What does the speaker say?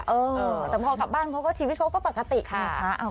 เออแต่พอกลับบ้านเขาก็ชีวิตเขาก็ปกติค่ะ